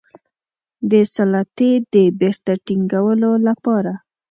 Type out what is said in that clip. د سلطې د بیرته ټینګولو لپاره.